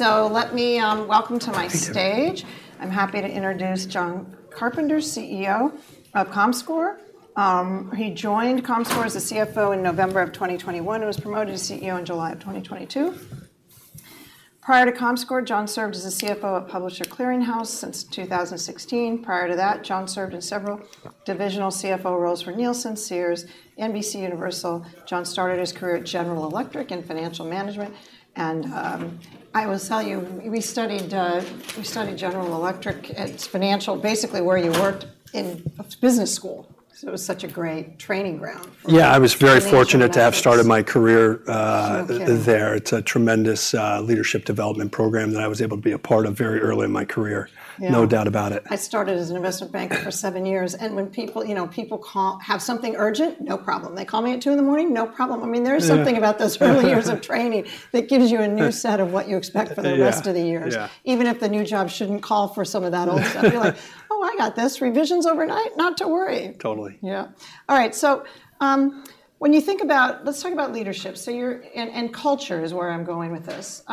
Let me welcome to my stage. Thank you. I'm happy to introduce Jon Carpenter, CEO of Comscore. He joined Comscore as a CFO in November 2021, and was promoted to CEO in July 2022. Prior to Comscore, Jon served as a CFO at Publishers Clearing House since 2016. Prior to that, Jon served in several divisional CFO roles for Nielsen, Sears, NBCUniversal. Jon started his career at General Electric in financial management. I will tell you, we studied General Electric, its financials, basically, where you worked in business school. So it was such a great training ground. Yeah, I was very fortunate- Financial management... to have started my career No kidding... there. It's a tremendous leadership development program that I was able to be a part of very early in my career. Yeah. No doubt about it. I started as an investment banker for seven years, and when people, you know, people call, have something urgent, no problem. They call me at 2:00 A.M., no problem. I mean, there is something- Yeah... about those early years of training that gives you a new set of what you expect for the- Yeah... rest of the years. Yeah. Even if the new job shouldn't call for some of that old stuff. You're like, "Oh, I got this. Revisions overnight? Not to worry. Totally. Yeah. All right, so, when you think about... Let's talk about leadership. So you're and culture is where I'm going with this.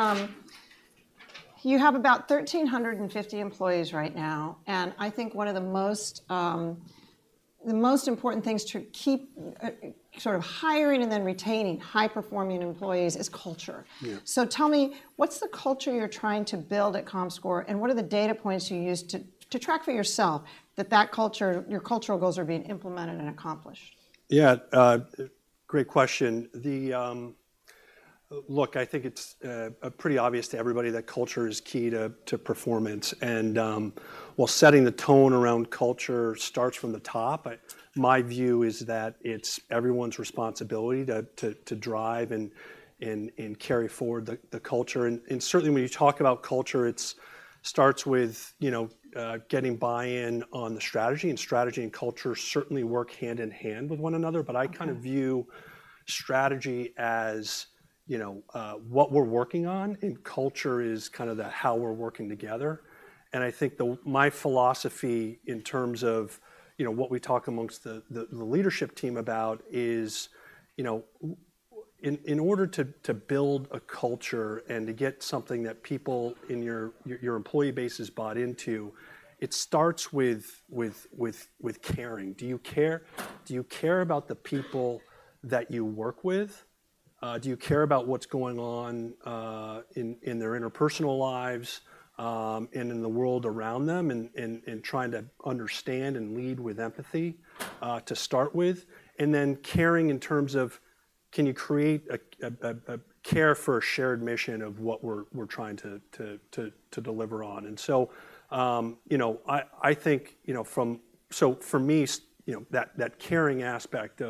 You have about 1,350 employees right now, and I think one of the most, the most important things to keep, sort of hiring and then retaining high-performing employees is culture. Yeah. So tell me, what's the culture you're trying to build at Comscore, and what are the data points you use to track for yourself that culture, your cultural goals are being implemented and accomplished? Yeah, great question. Look, I think it's pretty obvious to everybody that culture is key to performance. And, while setting the tone around culture starts from the top, my view is that it's everyone's responsibility to drive and carry forward the culture. And certainly, when you talk about culture, it starts with, you know, getting buy-in on the strategy, and strategy and culture certainly work hand in hand with one another. Okay. But I kind of view strategy as, you know, what we're working on, and culture is kind of the how we're working together. And I think my philosophy in terms of, you know, what we talk amongst the leadership team about is, you know, in order to build a culture and to get something that people in your employee base is bought into, it starts with caring. Do you care? Do you care about the people that you work with? Do you care about what's going on in their interpersonal lives, and in the world around them, and trying to understand and lead with empathy, to start with? And then, caring in terms of, can you create a care for a shared mission of what we're trying to deliver on? And so, you know, I think, you know, for me, you know, that caring aspect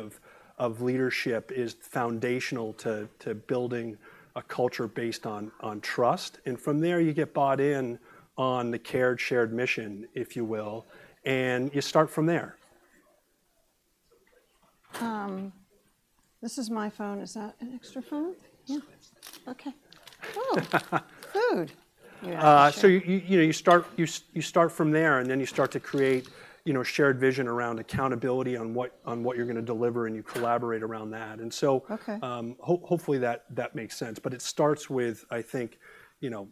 of leadership is foundational to building a culture based on trust. And from there, you get bought in on the cared, shared mission, if you will, and you start from there. This is my phone. Is that an extra phone? Yeah. Okay. Oh, food! You have to share. So you know, you start from there, and then you start to create, you know, shared vision around accountability on what you're gonna deliver, and you collaborate around that. And so- Okay... hopefully that makes sense. But it starts with, I think, you know,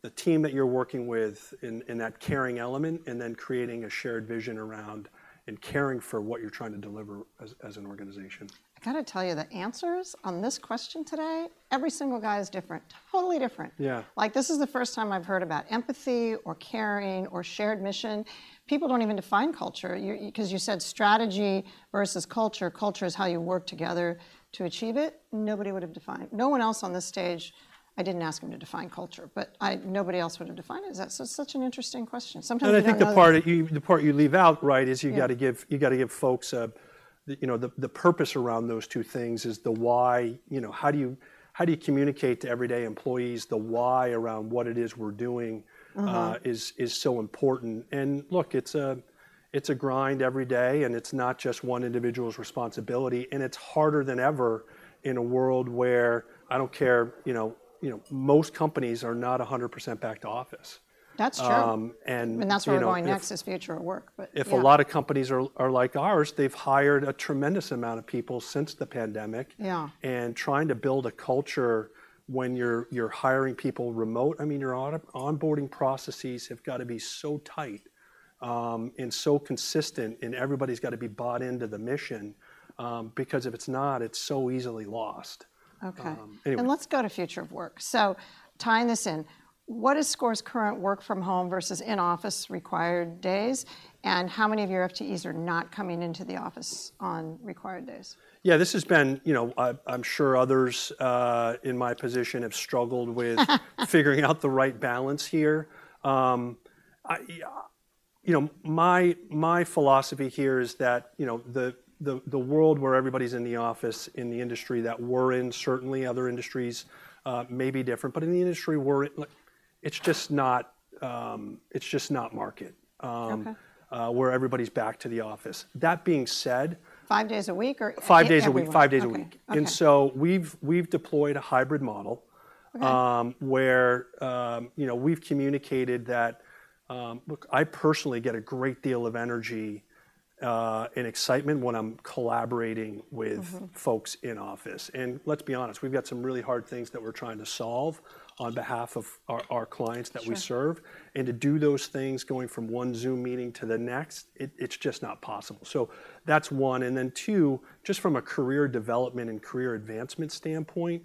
the team that you're working with in that caring element, and then creating a shared vision around and caring for what you're trying to deliver as an organization. I gotta tell you, the answers on this question today, every single guy is different. Totally different. Yeah. Like, this is the first time I've heard about empathy or caring or shared mission. People don't even define culture. You, 'cause you said strategy versus culture. Culture is how you work together to achieve it. Nobody would have defined it. No one else on this stage. I didn't ask them to define culture, but nobody else would have defined it. That's so, such an interesting question. Sometimes I don't realize- I think the part you leave out, right? Yeah... is you gotta give, you gotta give folks a, the, you know, the, the purpose around those two things, is the why. You know, how do you, how do you communicate to everyday employees the why around what it is we're doing is so important? And look, it's a grind every day, and it's not just one individual's responsibility, and it's harder than ever in a world where I don't care, you know, you know, most companies are not 100% back to office. That's true. You know- That's where we're going next, is future of work, but yeah. If a lot of companies are like ours, they've hired a tremendous amount of people since the pandemic. Yeah. Trying to build a culture when you're hiring people remote, I mean, your onboarding processes have got to be so tight, and so consistent, and everybody's got to be bought into the mission. Because if it's not, it's so easily lost. Okay. Anyway. Let's go to future of work. Tying this in, what is Comscore's current work from home versus in-office required days, and how many of your FTEs are not coming into the office on required days? Yeah, this has been... You know, I, I'm sure others in my position have struggled with figuring out the right balance here. I, you know, my philosophy here is that, you know, the world where everybody's in the office, in the industry that we're in, certainly other industries may be different. But in the industry we're in, like, it's just not, it's just not market- Okay... where everybody's back to the office. That being said- Five days a week or everyone? Five days a week. Five days a week. Okay. And so we've deployed a hybrid model- Okay... where, you know, we've communicated that, look, I personally get a great deal of energy-... and excitement when I'm collaborating with- Mm-hmm Folks in office. Let's be honest, we've got some really hard things that we're trying to solve on behalf of our, our clients that we serve. Sure. To do those things going from one Zoom meeting to the next, it's just not possible. So that's one, and then two, just from a career development and career advancement standpoint,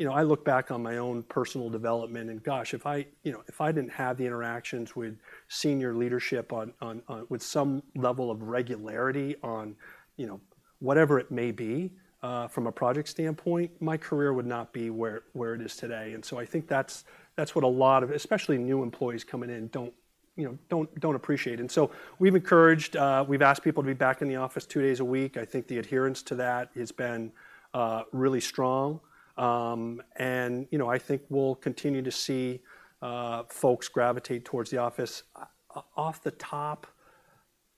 you know, I look back on my own personal development, and gosh, if I, you know, if I didn't have the interactions with senior leadership on—with some level of regularity on, you know, whatever it may be, from a project standpoint, my career would not be where it is today. And so I think that's what a lot of—especially new employees coming in, don't, you know, don't appreciate. And so we've encouraged, we've asked people to be back in the office two days a week. I think the adherence to that has been really strong. And, you know, I think we'll continue to see folks gravitate towards the office. Off the top,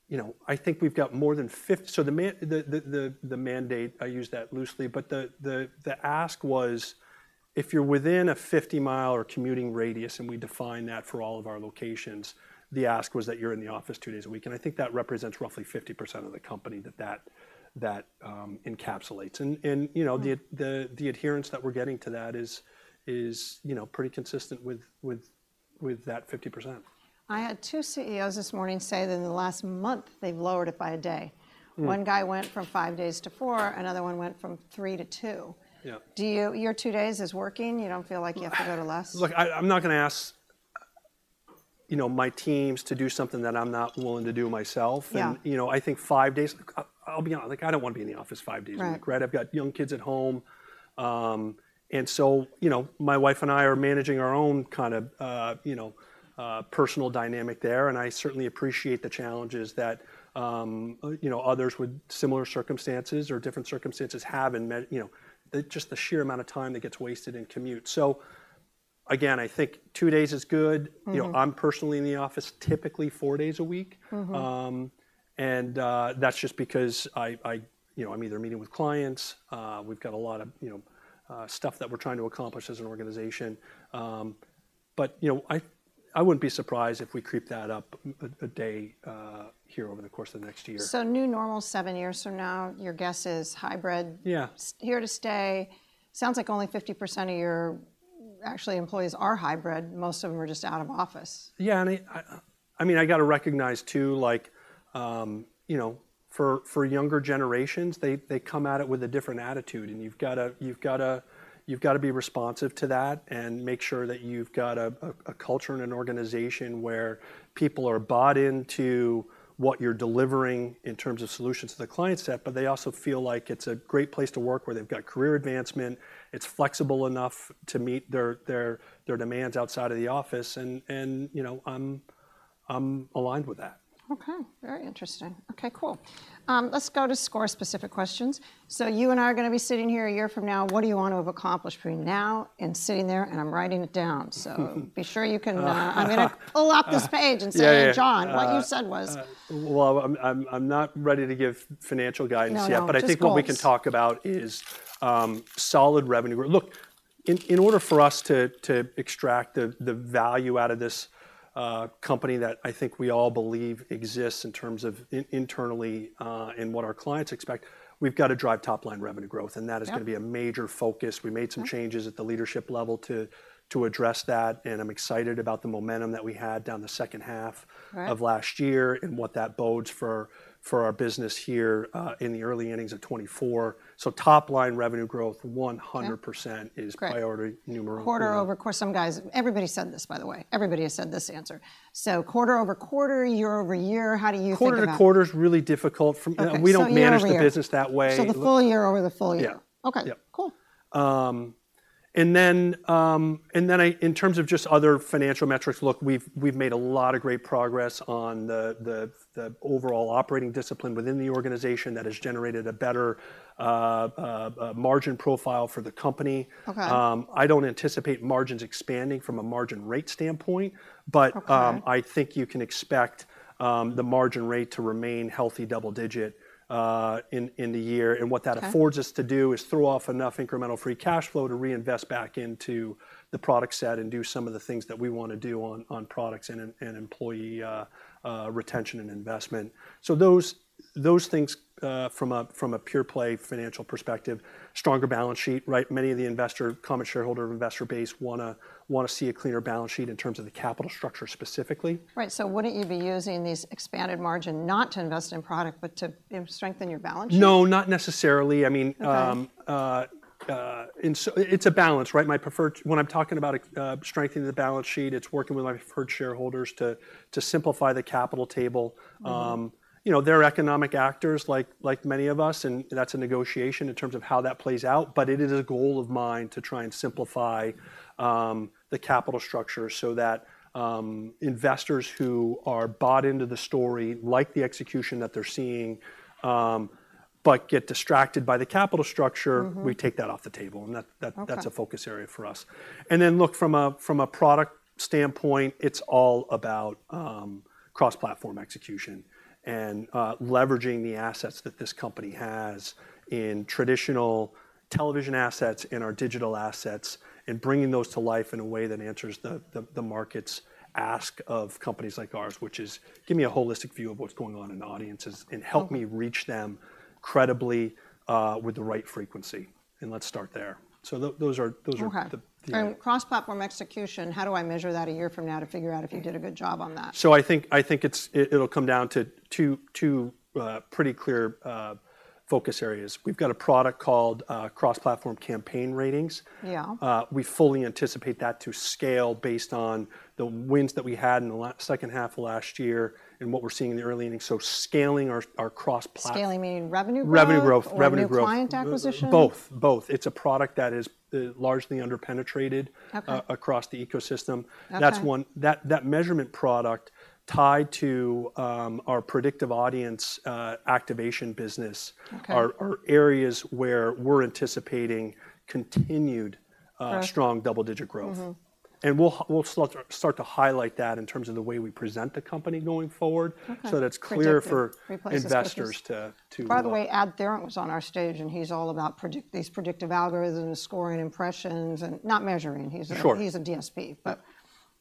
you know, I think we've got more than 50—so the mandate, I use that loosely, but the ask was, if you're within a 50-mi or commuting radius, and we define that for all of our locations, the ask was that you're in the office two days a week, and I think that represents roughly 50% of the company that encapsulates. And, you know the adherence that we're getting to that is, you know, pretty consistent with that 50%. I had two CEOs this morning say that in the last month, they've lowered it by a day. One guy went from five days to four, another one went from three to two. Yeah. Do you- your two days is working? You don't feel like you have- Yeah... to go to less? Look, I'm not gonna ask, you know, my teams to do something that I'm not willing to do myself. Yeah. You know, I think five days, I'll be honest, like, I don't want to be in the office five days a week. Right. I've got young kids at home, and so, you know, my wife and I are managing our own kind of, you know, personal dynamic there. And I certainly appreciate the challenges that, you know, others with similar circumstances or different circumstances have, and you know, just the sheer amount of time that gets wasted in commute. So again, I think two days is good. You know, I'm personally in the office typically four days a week. That's just because I, you know, I'm either meeting with clients. We've got a lot of, you know, stuff that we're trying to accomplish as an organization. But, you know, I wouldn't be surprised if we creep that up a day here over the course of the next year. So new normal, seven years from now, your guess is hybrid- Yeah. Here to stay. Sounds like only 50% of your actual employees are hybrid, most of them are just out of office. Yeah, and I mean, I got to recognize too, like, you know, for younger generations, they come at it with a different attitude, and you've got to be responsive to that and make sure that you've got a culture and an organization where people are bought into what you're delivering in terms of solutions to the client set. But they also feel like it's a great place to work, where they've got career advancement, it's flexible enough to meet their demands outside of the office, and, you know, I'm aligned with that. Okay, very interesting. Okay, cool. Let's go to Comscore specific questions. So you and I are gonna be sitting here a year from now, what do you want to have accomplished between now and sitting there? And I'm writing it down. So be sure you can, I'm gonna pull up this page and say- Yeah, yeah... "Jon, what you said was? Well, I'm not ready to give financial guidance yet. No, no, just goals. But I think what we can talk about is solid revenue. Look, in order for us to extract the value out of this company that I think we all believe exists in terms of internally, and what our clients expect, we've got to drive top-line revenue growth. Yeah. That is gonna be a major focus. Okay. We made some changes at the leadership level to address that, and I'm excited about the momentum that we had down the second half- Right... of last year, and what that bodes for our business here in the early innings of 2024. So top-line revenue growth 100%- Yeah... is priority numero uno. Quarter-over-quarter, some guys... Everybody said this, by the way. Everybody has said this answer. So quarter-over-quarter, year-over-year, how do you think about it? Quarter-over-quarter is really difficult from- Okay, so year-over-year. We don't manage the business that way. The full year over the full year? Yeah. Okay. Yeah. Cool. And then, in terms of just other financial metrics, look, we've made a lot of great progress on the overall operating discipline within the organization that has generated a better, a margin profile for the company. Okay. I don't anticipate margins expanding from a margin rate standpoint. Okay. I think you can expect the margin rate to remain healthy, double digit, in the year. Okay. What that affords us to do is throw off enough incremental free cash flow to reinvest back into the product set, and do some of the things that we want to do on products and employee retention and investment. Those things from a pure play financial perspective, stronger balance sheet, right? Many of the investor, common shareholder, investor base wanna see a cleaner balance sheet in terms of the capital structure specifically. Right. So wouldn't you be using these expanded margin not to invest in product, but to, you know, strengthen your balance sheet? No, not necessarily. I mean, Okay... and so it's a balance, right? When I'm talking about strengthening the balance sheet, it's working with my preferred shareholders to simplify the capital table. You know, there are economic actors like, like many of us, and that's a negotiation in terms of how that plays out. But it is a goal of mine to try and simplify the capital structure, so that investors who are bought into the story, like the execution that they're seeing, but get distracted by the capital structure we take that off the table, and that- Okay... that's a focus area for us. Then, look, from a product standpoint, it's all about cross-platform execution and leveraging the assets that this company has in traditional television assets, in our digital assets, and bringing those to life in a way that answers the market's ask of companies like ours, which is: Give me a holistic view of what's going on in audiences- Okay... and help me reach them credibly, with the right frequency, and let's start there. So those are, those are the, the- Okay. So cross-platform execution, how do I measure that a year from now, to figure out if you did a good job on that? I think it'll come down to two pretty clear focus areas. We've got a product called Cross-Platform Campaign Ratings. Yeah. We fully anticipate that to scale based on the wins that we had in the second half of last year and what we're seeing in the early innings. So scaling our cross-platform- Scaling, meaning revenue growth? Revenue growth. Revenue growth. Or new client acquisition? Both. Both. It's a product that is largely under penetrated- Okay... across the ecosystem. Okay. That's one. That measurement product tied to our predictive audience activation business- Okay... are areas where we're anticipating continued, Okay... strong double-digit growth. We'll start to highlight that in terms of the way we present the company going forward. Okay... so that it's clear for- Replace this with this.... investors to By the way, AdTheorent was on our stage, and he's all about predictive algorithms, scoring impressions, and not measuring. He's a- Sure... he's a DSP, but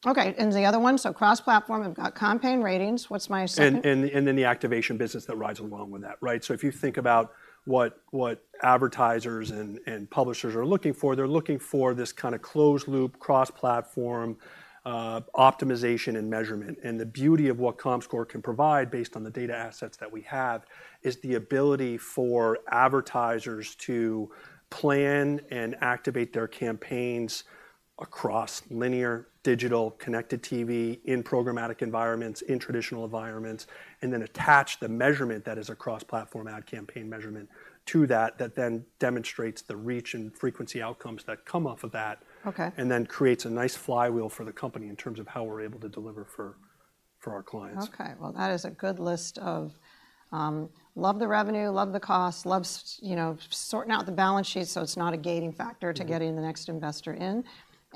okay, and the other one, so cross-platform, we've got Campaign Ratings. What's my second? And then the activation business that rides along with that, right? So if you think about what advertisers and publishers are looking for, they're looking for this kind of closed loop, cross-platform optimization and measurement. And the beauty of what Comscore can provide, based on the data assets that we have, is the ability for advertisers to plan and activate their campaigns across linear, digital, connected TV, in programmatic environments, in traditional environments, and then attach the measurement that is a cross-platform ad campaign measurement to that, that then demonstrates the reach and frequency outcomes that come off of that. Okay. Then creates a nice flywheel for the company in terms of how we're able to deliver for our clients. Okay, well, that is a good list of... Love the revenue, love the cost, love you know, sorting out the balance sheet so it's not a gating factor to getting the next investor in.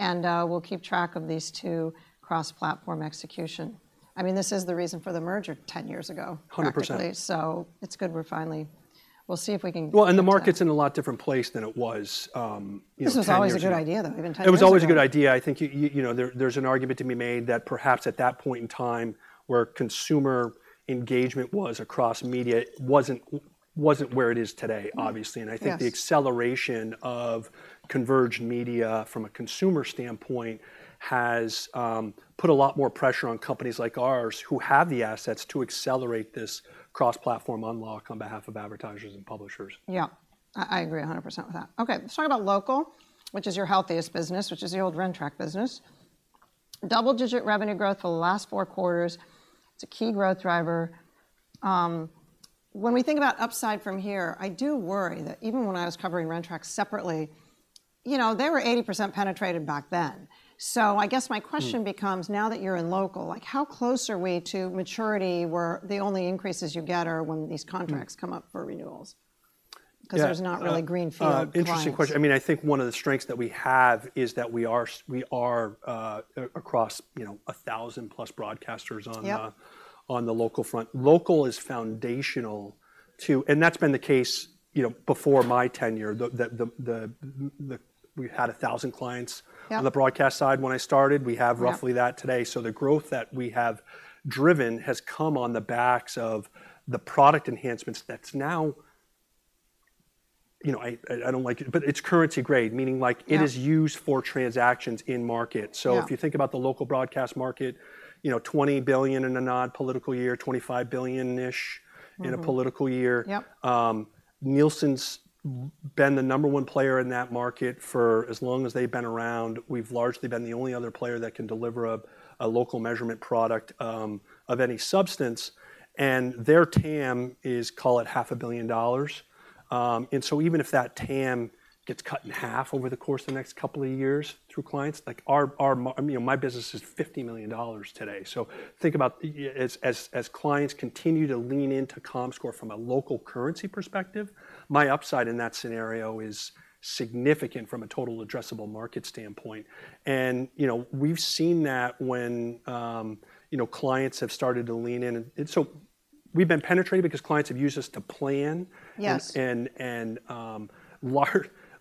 We'll keep track of these two cross-platform execution. I mean, this is the reason for the merger 10 years ago- 100%... practically. So it's good we're finally. We'll see if we can- Well, the market's in a lot different place than it was, you know, 10 years ago. This was always a good idea, though, even 10 years ago. It was always a good idea. I think, you know, there, there's an argument to be made that perhaps at that point in time, where consumer engagement was across media, wasn't where it is today, obviously. Yes. I think the acceleration of converged media from a consumer standpoint has put a lot more pressure on companies like ours, who have the assets to accelerate this cross-platform unlock on behalf of advertisers and publishers. Yeah. I agree 100% with that. Okay, let's talk about local, which is your healthiest business, which is the old Rentrak business. Double-digit revenue growth for the last four quarters, it's a key growth driver. When we think about upside from here, I do worry that even when I was covering Rentrak separately, you know, they were 80% penetrated back then. So I guess my question becomes, now that you're in local, like, how close are we to maturity, where the only increases you get are when these contracts come up for renewals? Yeah. 'Cause there's not really greenfield clients. Interesting question. I mean, I think one of the strengths that we have is that we are across, you know, 1,000+ broadcasters on the- Yep... on the local front. Local is foundational to... And that's been the case, you know, before my tenure. We had 1,000 clients- Yep... on the broadcast side when I started. Yep. We have roughly that today. So the growth that we have driven has come on the backs of the product enhancements that's now... You know, I don't like it, but it's currency grade, meaning like- Yep... it is used for transactions in market. Yep. So if you think about the local broadcast market, you know, $20 billion in a non-political year, $25 billion-ish in a political year. Yep. Nielsen's been the number one player in that market for as long as they've been around. We've largely been the only other player that can deliver a local measurement product of any substance, and their TAM is, call it, $500 million. Even if that TAM gets cut in half over the course of the next couple of years through clients like our ma-- You know, my business is $50 million today. So think about, as clients continue to lean into Comscore from a local currency perspective, my upside in that scenario is significant from a total addressable market standpoint. You know, we've seen that when clients have started to lean in. We've been penetrated because clients have used us to plan- Yes... and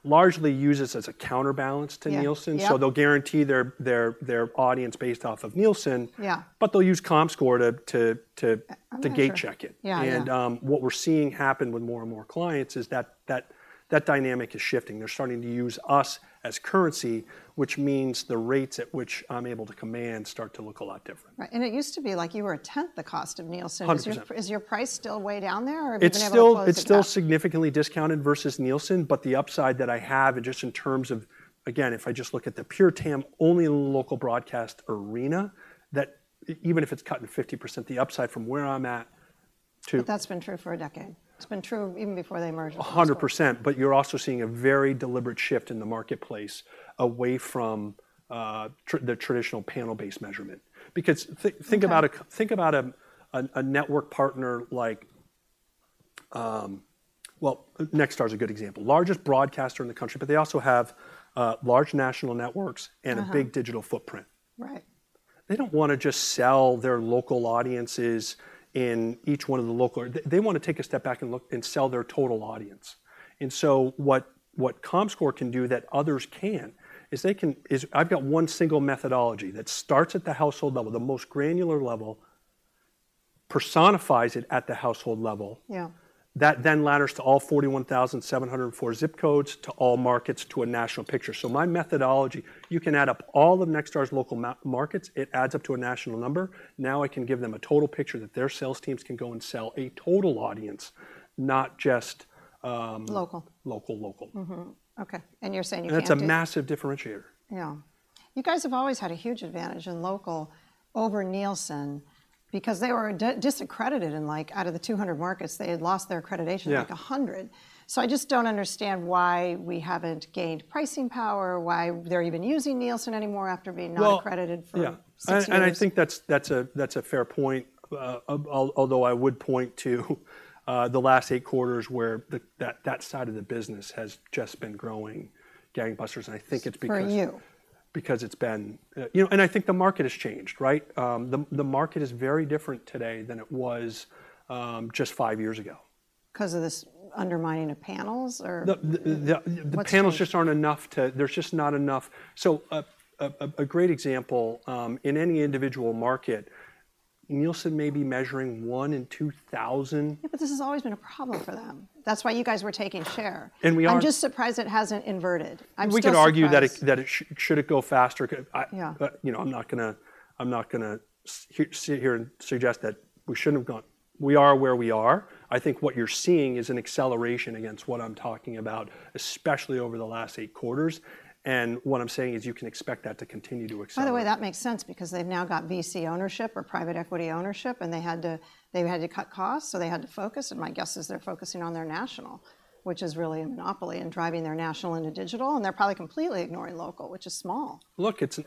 largely use us as a counterbalance to Nielsen. Yeah, yep. So they'll guarantee their audience based off of Nielsen. Yeah... but they'll use Comscore to I'm not sure.... to gate check it. Yeah, yeah. What we're seeing happen with more and more clients is that dynamic is shifting. They're starting to use us as currency, which means the rates at which I'm able to command start to look a lot different. Right. And it used to be like you were a tenth the cost of Nielsen. Hundred percent. Is your price still way down there, or have you been able to close it up? It's still, it's still significantly discounted versus Nielsen, but the upside that I have, and just in terms of... Again, if I just look at the pure TAM, only in the local broadcast arena, that even if it's cut in 50%, the upside from where I'm at to- But that's been true for a decade. It's been true even before the merger. 100%, but you're also seeing a very deliberate shift in the marketplace away from the traditional panel-based measurement. Because think about a- Okay... think about a network partner like... Well, Nexstar is a good example. Largest broadcaster in the country, but they also have large national networks and a big digital footprint. Right. They don't wanna just sell their local audiences in each one of the local... They want to take a step back and look, and sell their total audience. So what Comscore can do that others can't is I've got one single methodology that starts at the household level, the most granular level, personifies it at the household level. Yeah ... that then ladders to all 41,704 ZIP Codes, to all markets, to a national picture. So my methodology, you can add up all of Nexstar's local markets, it adds up to a national number. Now, I can give them a total picture that their sales teams can go and sell a total audience, not just-... local. Local, local. Okay, and you're saying you can't do- That's a massive differentiator. Yeah. You guys have always had a huge advantage in local over Nielsen, because they were disaccredited, and like, out of the 200 markets, they had lost their accreditation- Yeah... like, 100. So I just don't understand why we haven't gained pricing power, or why they're even using Nielsen anymore after being non-accredited- Well- for six years. Yeah. And I think that's a fair point. Although I would point to the last eight quarters, where that side of the business has just been growing gangbusters. And I think it's because- For you. Because it's been... you know, and I think the market has changed, right? The market is very different today than it was just five years ago. Because of this undermining of panels, what's changed?... the panels just aren't enough. There's just not enough. So, a great example, in any individual market, Nielsen may be measuring one in 2,000. Yeah, but this has always been a problem for them. That's why you guys were taking share. And we are- I'm just surprised it hasn't inverted. I'm still surprised. We can argue that it should go faster? Can I- Yeah... But, you know, I'm not gonna, I'm not gonna sit here and suggest that we shouldn't have gone. We are where we are. I think what you're seeing is an acceleration against what I'm talking about, especially over the last eight quarters. And what I'm saying is, you can expect that to continue to accelerate. By the way, that makes sense, because they've now got VC ownership or private equity ownership, and they've had to cut costs, so they had to focus. And my guess is they're focusing on their national, which is really a monopoly, and driving their national into digital. And they're probably completely ignoring local, which is small. Look, it's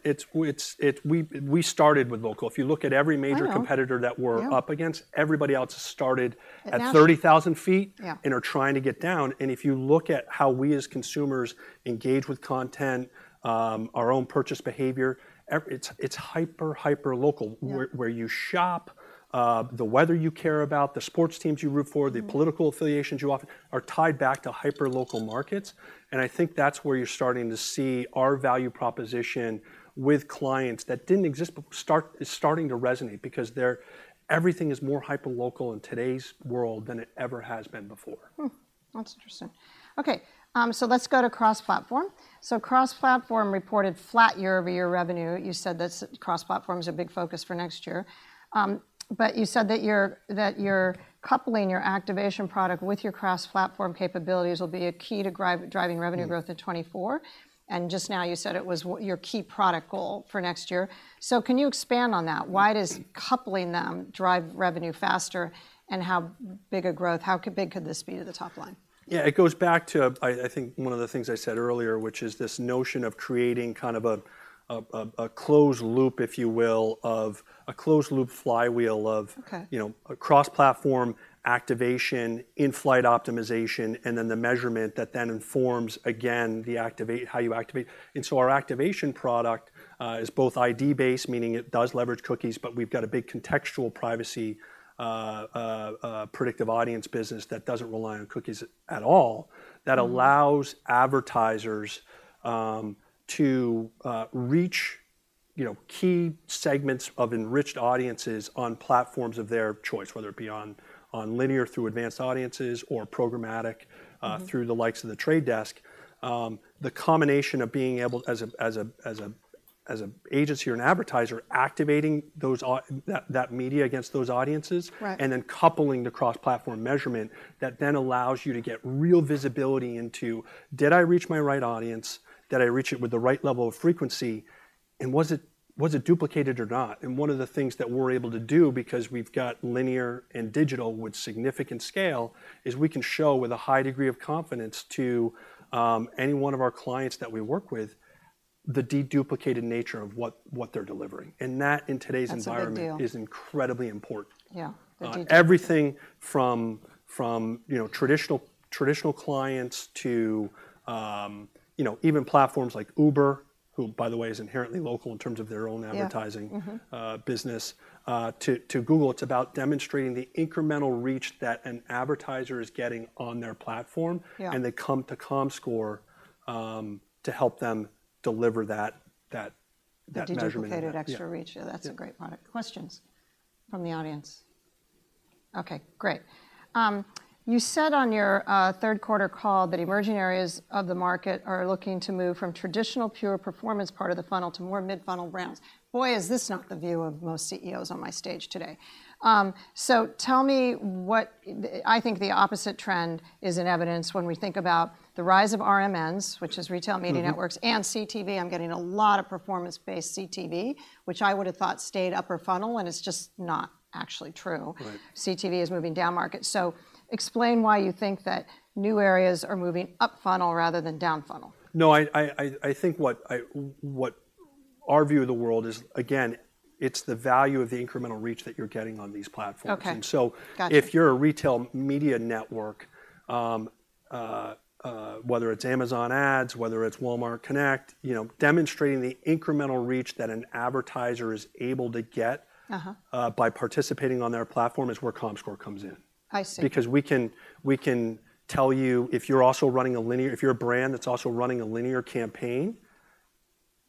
-- we started with local. If you look at every major- I know... competitor that we're- Yeah... up against, everybody else started- At national... at 30,000 feet- Yeah... and are trying to get down. And if you look at how we, as consumers, engage with content, our own purchase behavior, it's hyper, hyper local. Yeah. Where you shop, the weather you care about, the sports teams you root for the political affiliations you often are tied back to hyperlocal markets. And I think that's where you're starting to see our value proposition with clients that didn't exist before is starting to resonate. Because everything is more hyperlocal in today's world than it ever has been before. That's interesting. Okay, so let's go to Cross-Platform. Cross-Platform reported flat year-over-year revenue. You said that Cross-Platform is a big focus for next year. But you said that you're coupling your activation product with your Cross-Platform capabilities will be a key to driving revenue growth in 2024. Just now you said it was your key product goal for next year. Can you expand on that? Why does coupling them drive revenue faster? How big a growth, how big could this be to the top line? Yeah, it goes back to, I think one of the things I said earlier, which is this notion of creating kind of a closed loop, if you will, of a closed loop flywheel of- Okay... you know, a cross-platform activation in-flight optimization, and then the measurement that then informs, again, the activation, how you activate. And so our activation product is both ID-based, meaning it does leverage cookies, but we've got a big contextual privacy predictive audience business that doesn't rely on cookies at all. That allows advertisers to reach, you know, key segments of enriched audiences on platforms of their choice. Whether it be on linear, through advanced audiences, or programmatic through the likes of The Trade Desk. The combination of being able, as an agency or an advertiser, activating that media against those audiences- Right... and then coupling the cross-platform measurement, that then allows you to get real visibility into: Did I reach my right audience? Did I reach it with the right level of frequency, and was it, was it duplicated or not? And one of the things that we're able to do, because we've got linear and digital with significant scale, is we can show, with a high degree of confidence to, any one of our clients that we work with, the deduplicated nature of what, what they're delivering. And that, in today's environment- That's a big deal.... is incredibly important. Yeah, they do. Everything from, you know, traditional clients to, you know, even platforms like Uber, who, by the way, is inherently local in terms of their own advertising- Yeah.... business to Google. It's about demonstrating the incremental reach that an advertiser is getting on their platform. Yeah. They come to Comscore to help them deliver that measurement- The deduplicated extra reach. Yeah. That's a great product. Questions from the audience? Okay, great. You said on your third quarter call, that emerging areas of the market are looking to move from traditional, pure performance part of the funnel to more mid-funnel brands. Boy, is this not the view of most CEOs on my stage today! So tell me what... I think the opposite trend is in evidence when we think about the rise of RMNs, which is retail media networks and CTV. I'm getting a lot of performance-based CTV, which I would have thought stayed upper funnel, and it's just not actually true. Right. CTV is moving down market. So explain why you think that new areas are moving up funnel rather than down funnel? No, I think what our view of the world is, again, it's the value of the incremental reach that you're getting on these platforms. Okay. And so- Gotcha... if you're a retail media network, whether it's Amazon Ads, whether it's Walmart Connect, you know, demonstrating the incremental reach that an advertiser is able to get by participating on their platform, is where Comscore comes in. I see. Because we can tell you, if you're also running a linear—if you're a brand that's also running a linear campaign,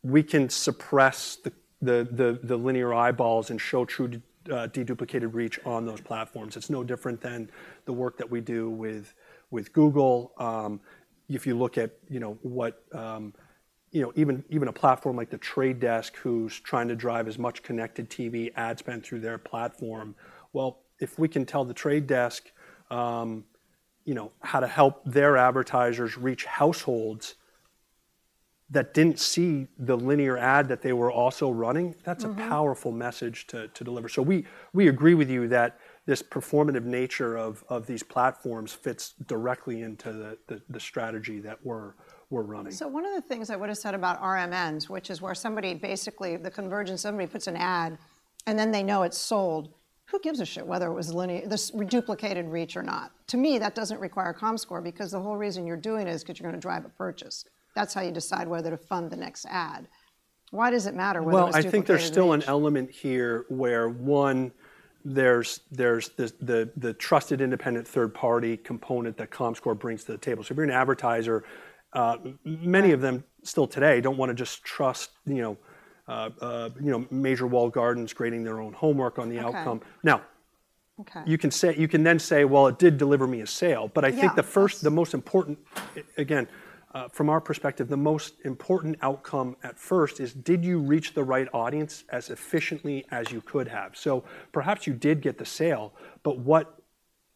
we can suppress the linear eyeballs and show true deduplicated reach on those platforms. It's no different than the work that we do with Google. If you look at, you know, what you know, even a platform like The Trade Desk, who's trying to drive as much connected TV ad spend through their platform. Well, if we can tell The Trade Desk, you know, how to help their advertisers reach households that didn't see the linear ad that they were also running that's a powerful message to deliver. So we agree with you that this performative nature of these platforms fits directly into the strategy that we're running. So one of the things I would've said about RMNs, which is where somebody, basically, the convergence, somebody puts an ad, and then they know it's sold. Who gives a shit whether it was linear—this duplicated reach or not? To me, that doesn't require Comscore, because the whole reason you're doing it is 'cause you're gonna drive a purchase. That's how you decide whether to fund the next ad. Why does it matter whether it's duplicated reach? Well, I think there's still an element here where, one, there's this, the trusted independent third party component that Comscore brings to the table. So if you're an advertiser, many of them still today, don't wanna just trust, you know, you know, major walled gardens grading their own homework on the outcome. Okay. Now- Okay... you can say, you can then say: "Well, it did deliver me a sale. Yeah. But I think the first, the most important, again, from our perspective, the most important outcome at first is, did you reach the right audience as efficiently as you could have? So perhaps you did get the sale, but what,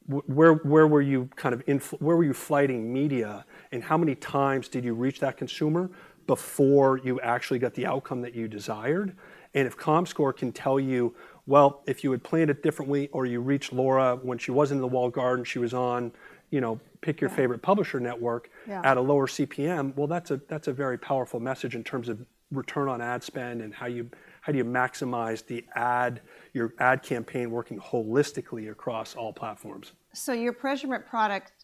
where were you, kind of, where were you flighting media, and how many times did you reach that consumer before you actually got the outcome that you desired? And if Comscore can tell you, well, if you had planned it differently, or you reached Laura when she was in the walled garden, she was on, you know- Yeah... pick your favorite publisher network- Yeah... at a lower CPM. Well, that's a, that's a very powerful message in terms of return on ad spend, and how you, how do you maximize the ad, your ad campaign working holistically across all platforms. So your Proximic product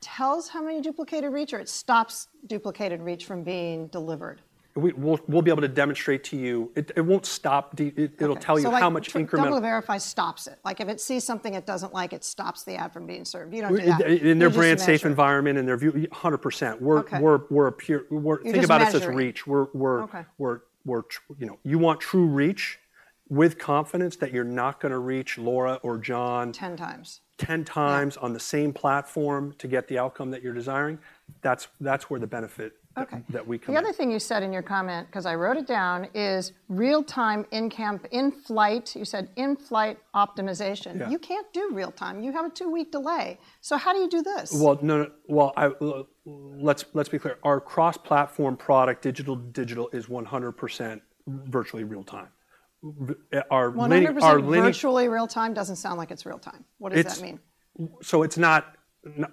tells how many duplicated reach, or it stops duplicated reach from being delivered? We'll be able to demonstrate to you. It won't stop d- Okay. It'll tell you how much incremental- So DoubleVerify stops it. Like, if it sees something it doesn't like, it stops the ad from being served. You don't do that? In their brand-safe environment, in their view, yeah, 100%. Okay. We're appearing... You're just measuring. Think about it as reach. We're... Okay... we're, you know, you want true reach with confidence that you're not gonna reach Laura or John- 10x. -10x- Yeah... on the same platform to get the outcome that you're desiring. That's, that's where the benefit- Okay... that we come in. The other thing you said in your comment, 'cause I wrote it down, is real-time in-campaign, in-flight. You said in-flight optimization. Yeah. You can't do real time. You have a two-week delay. So how do you do this? Well, no, no. Well, let's be clear. Our cross-platform product, digital, digital is 100% virtually real time. Our linear- 100% virtually real time doesn't sound like it's real time. It's- What does that mean? So it's not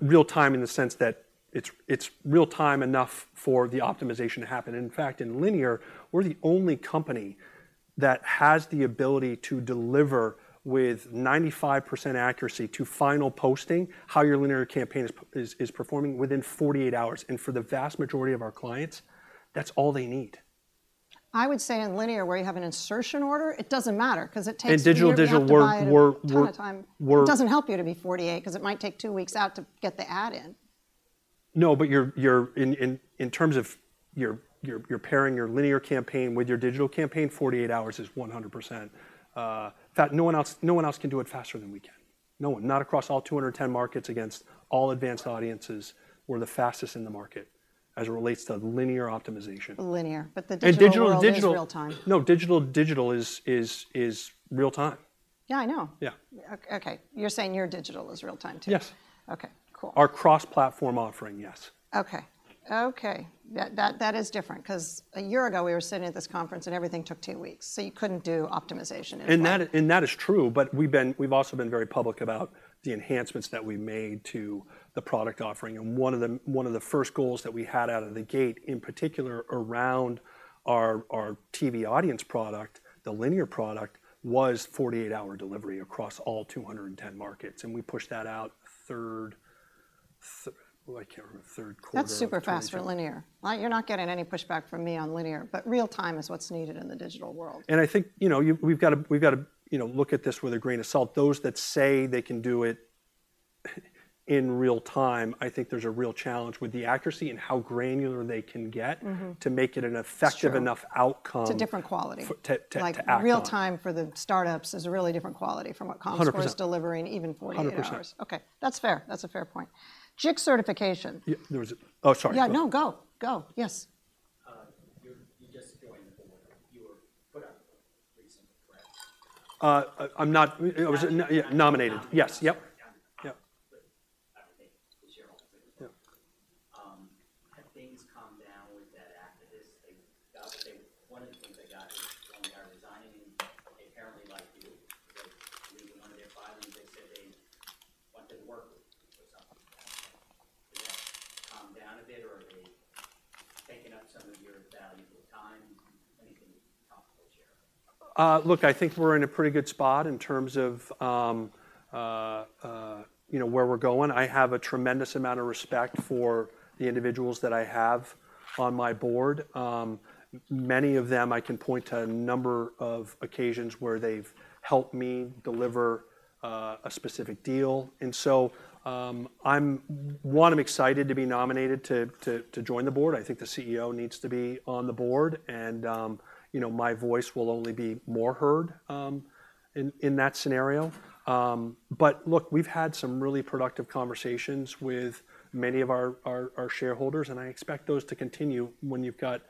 real time in the sense that it's, it's real time enough for the optimization to happen. In fact, in linear, we're the only company that has the ability to deliver with 95% accuracy to final posting, how your linear campaign is performing within 48 hours. And for the vast majority of our clients, that's all they need. I would say in linear, where you have an insertion order, it doesn't matter 'cause it takes two weeks- In digital, we're-... to buy a ton of time. We're- It doesn't help you to be 48, 'cause it might take two weeks out to get the ad in. No, but you're pairing your linear campaign with your digital campaign, 48 hours is 100%. That no one else, no one else can do it faster than we can. No one. Not across all 210 markets against all advanced audiences. We're the fastest in the market as it relates to linear optimization. Linear, but the digital world- And digital. is real time. No, digital is real time. Yeah, I know. Yeah. Okay. You're saying your digital is real time, too? Yes. Okay, cool. Our cross-platform offering, yes. Okay. Okay, that is different. 'Cause a year ago, we were sitting at this conference, and everything took two weeks, so you couldn't do optimization in flight. And that, and that is true, but we've been-- we've also been very public about the enhancements that we made to the product offering. And one of the, one of the first goals that we had out of the gate, in particular, around our, our TV audience product, the linear product, was 48-hour delivery across all 210 markets, and we pushed that out third... th-- oh, I can't remember, third quarter of 2022. That's super fast for linear. Well, you're not getting any pushback from me on linear, but real time is what's needed in the digital world. I think, you know, you-- we've got to, we've got to, you know, look at this with a grain of salt. Those that say they can do it in real time, I think there's a real challenge with the accuracy and how granular they can get to make it an effective- It's true... enough outcome It's a different quality. to act on. Like, real time for the startups is a really different quality from what- Hundred percent... Comscore is delivering, even 48 hours. 100%. Okay, that's fair. That's a fair point. JIC certification. Yeah. Oh, sorry. Yeah, no, go, go. Yes. You're just going for you were put up recent, correct? It was, yeah, nominated. Nominated. Yes. Yep. Yeah. But I think the sharehold- Yeah. Have things calmed down with that activist? Like, got to say, one of the things I got when they are resigning, they apparently, like, in one of their filings, they said they wanted to work with you or something like that. Has that calmed down a bit, or are they taking up some of your valuable time? Anything you can comfortably share. Look, I think we're in a pretty good spot in terms of you know, where we're going. I have a tremendous amount of respect for the individuals that I have on my board. Many of them, I can point to a number of occasions where they've helped me deliver a specific deal. And so, I'm excited to be nominated to join the board. I think the CEO needs to be on the board, and you know, my voice will only be more heard in that scenario. But look, we've had some really productive conversations with many of our shareholders, and I expect those to continue when you've got...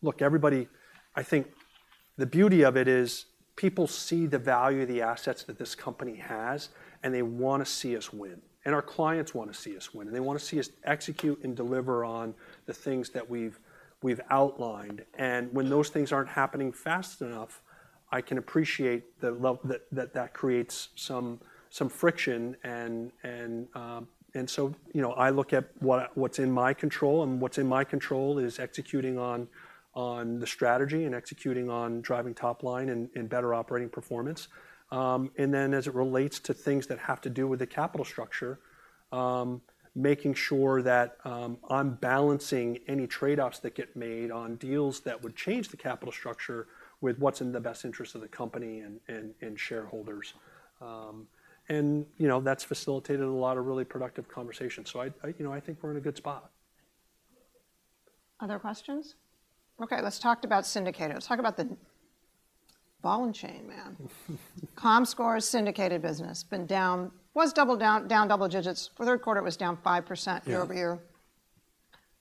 Look, everybody, I think-... The beauty of it is, people see the value of the assets that this company has, and they wanna see us win, and our clients wanna see us win, and they wanna see us execute and deliver on the things that we've outlined. And when those things aren't happening fast enough, I can appreciate the level that that creates some friction. And so, you know, I look at what's in my control, and what's in my control is executing on the strategy, and executing on driving top line and better operating performance. And then, as it relates to things that have to do with the capital structure, making sure that I'm balancing any trade-offs that get made on deals that would change the capital structure, with what's in the best interest of the company and shareholders. You know, that's facilitated a lot of really productive conversations. So I, you know, I think we're in a good spot. Other questions? Okay, let's talk about syndicated. Let's talk about the ball and chain, man. Comscore's syndicated business been down double digits. Third quarter, it was down 5%. Yeah... year-over-year.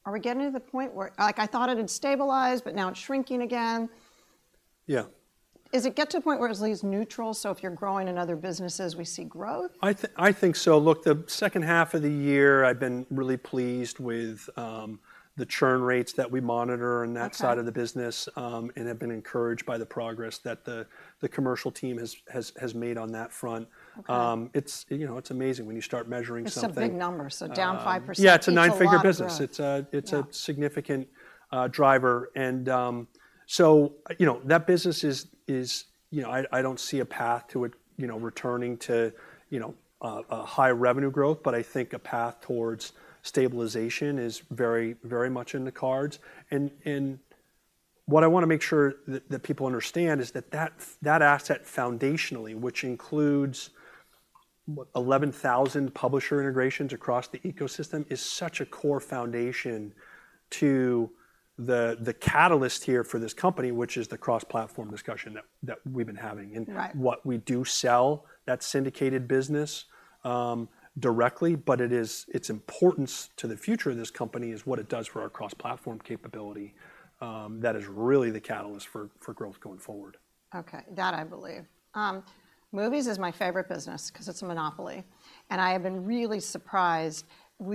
Are we getting to the point where—like, I thought it had stabilized, but now it's shrinking again? Yeah. Is it get to a point where it's at least neutral, so if you're growing in other businesses, we see growth? I think so. Look, the second half of the year, I've been really pleased with the churn rates that we monitor- Okay... on that side of the business, and have been encouraged by the progress that the commercial team has made on that front. Okay. You know, it's amazing when you start measuring something- It's a big number, so down 5%- Yeah, it's a nine-figure business.... means a lot. It's a- Yeah... it's a significant driver. And, so, you know, that business is, you know, I don't see a path to it, you know, returning to, you know, a high revenue growth. But I think a path towards stabilization is very, very much in the cards. And what I wanna make sure that people understand is that that asset foundationally, which includes, what? 11,000 publisher integrations across the ecosystem, is such a core foundation to the catalyst here for this company, which is the cross-platform discussion that we've been having. Right. What we do sell, that syndicated business, directly, but its importance to the future of this company is what it does for our cross-platform capability. That is really the catalyst for growth going forward. Okay. That I believe. Movies is my favorite business, 'cause it's a monopoly, and I have been really surprised,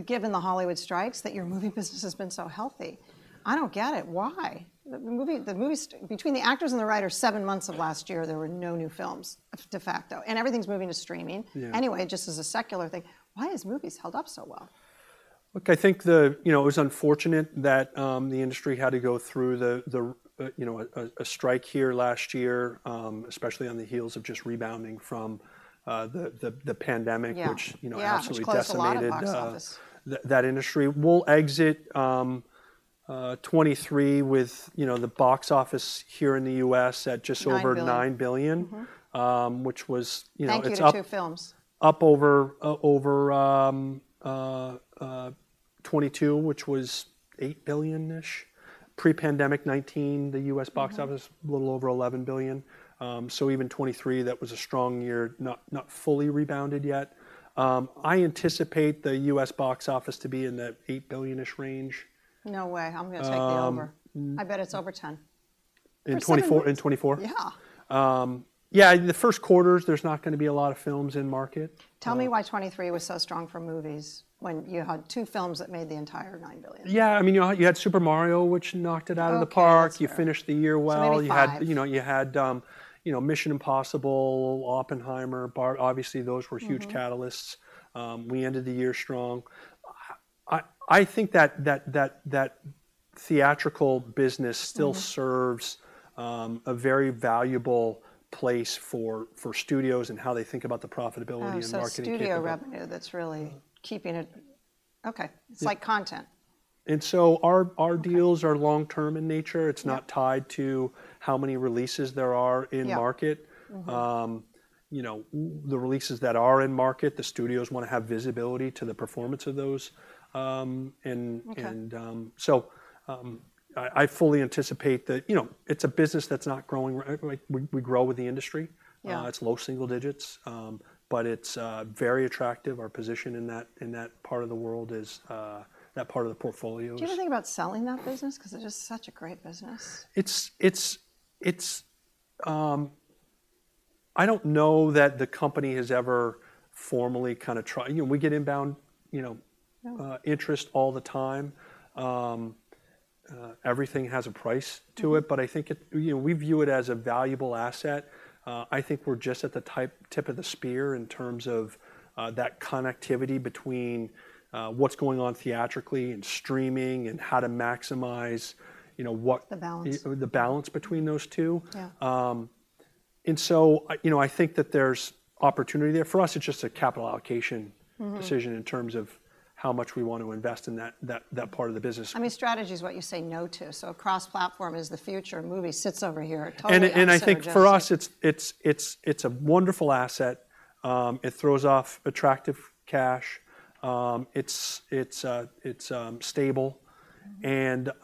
given the Hollywood strikes, that your movie business has been so healthy. I don't get it. Why? The movie strikes between the actors and the writers, seven months of last year, there were no new films, de facto, and everything's moving to streaming. Yeah. Anyway, just as a secular thing, why has movies held up so well? Look, I think the... You know, it was unfortunate that the industry had to go through the you know, a strike here last year, especially on the heels of just rebounding from the pandemic- Yeah... which, you know, absolutely decimated- Yeah, which closed a lot of box office.... that industry. We'll exit 2023 with, you know, the box office here in the U.S. at just over- Nine billion... $9 billion. Which was, you know, it's up- Thank you to two films.... up over 2022, which was $8 billion-ish. Pre-pandemic 2019, the U.S. box office a little over $11 billion. So even 2023, that was a strong year, not fully rebounded yet. I anticipate the US box office to be in the $8 billion-ish range. No way! I'm gonna take the over. I bet it's over 10. In 2024- For certain. In 2024? Yeah. Yeah, in the first quarters, there's not gonna be a lot of films in market. Tell me why 2023 was so strong for movies, when you had two films that made the entire $9 billion? Yeah, I mean, you had, you had Super Mario, which knocked it out of the park. Okay, that's right. You finished the year well. Maybe $5. You had, you know, Mission Impossible, Oppenheimer, Bar- obviously, those were huge catalysts. We ended the year strong. I think that theatrical business still serves a very valuable place for studios and how they think about the profitability and marketing capability. Oh, so studio revenue, that's really keeping it... Okay. Yeah. It's like content. And so our- Okay... deals are long term in nature. Yeah. It's not tied to how many releases there are in market. Yeah. You know, the releases that are in market, the studios wanna have visibility to the performance of those. Okay... so, I fully anticipate that, you know, it's a business that's not growing, like we grow with the industry. Yeah. It's low single digits, but it's very attractive. Our position in that, in that part of the world is... That part of the portfolio is- Do you ever think about selling that business? 'Cause it's just such a great business. I don't know that the company has ever formally kind of try... You know, we get inbound, you know— Yeah... interest all the time. Everything has a price to it, but I think it... You know, we view it as a valuable asset. I think we're just at the tip of the spear in terms of that connectivity between what's going on theatrically and streaming, and how to maximize, you know, what- The balance.... the balance between those two. Yeah. And so, I, you know, I think that there's opportunity there. For us, it's just a capital allocation decision in terms of how much we want to invest in that part of the business. I mean, strategy is what you say no to. So cross-platform is the future, and movie sits over here, totally understands. I think for us, it's a wonderful asset. It throws off attractive cash. It's stable. You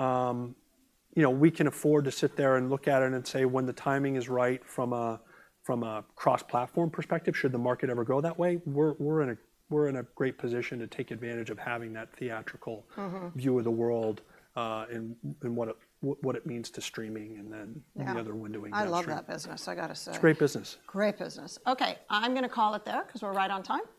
know, we can afford to sit there and look at it and say, when the timing is right, from a cross-platform perspective, should the market ever go that way, we're in a great position to take advantage of having that theatrical view of the world, and what it means to streaming, and then- Yeah... the other windowing that stream. I love that business, I gotta say. It's great business. Great business. Okay, I'm gonna call it there, 'cause we're right on time. So-